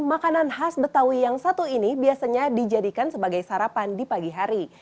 makanan khas betawi yang satu ini biasanya dijadikan sebagai sarapan di pagi hari